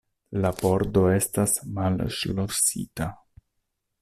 La pordo estas malŝlosita.